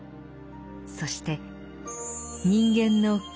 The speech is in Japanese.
そして人間の共